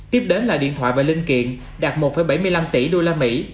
tiếp đến là điện thoại và linh kiện đạt một bảy mươi năm tỷ usd